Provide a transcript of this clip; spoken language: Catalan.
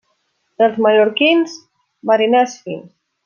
Els mallorquins, mariners fins.